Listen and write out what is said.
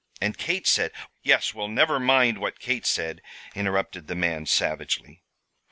And Kate said " "Yes. Well, never mind what Kate said," interrupted the man, savagely.